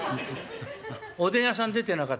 「おでん屋さん出てなかった？」。